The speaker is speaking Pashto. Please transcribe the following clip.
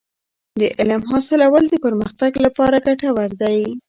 د علم حاصلول د پرمختګ لپاره ګټور دی.